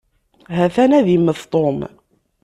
Ha-t-an ad immet Tom.